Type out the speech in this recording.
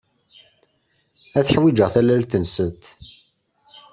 Ad ḥwijeɣ tallalt-nsent.